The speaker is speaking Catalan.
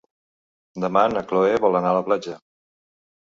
Demà na Cloè vol anar a la platja.